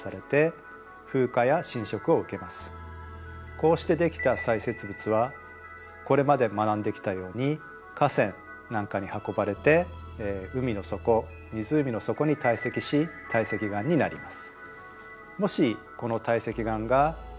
こうしてできた砕屑物はこれまで学んできたように河川なんかに運ばれて海の底湖の底に堆積し堆積岩になります。